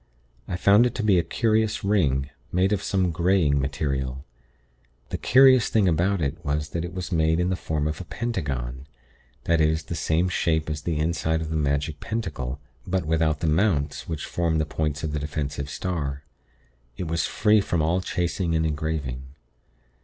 I found it to be a curious ring, made of some greying material. The curious thing about it was that it was made in the form of a pentagon; that is, the same shape as the inside of the magic pentacle, but without the 'mounts,' which form the points of the defensive star. It was free from all chasing or engraving.